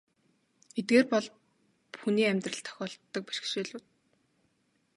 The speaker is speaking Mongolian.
Эдгээр бол хүний амьдралд тохиолддог л бэрхшээлүүд.